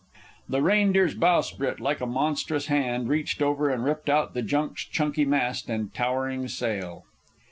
The Reindeer's bowsprit, like a monstrous hand, reached over and ripped out the junk's chunky mast and towering sail.